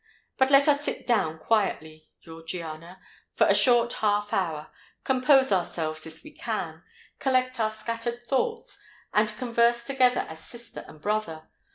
But let us sit down quietly, Georgiana, for a short half hour—compose ourselves, if we can—collect our scattered thoughts—and converse together as sister and brother.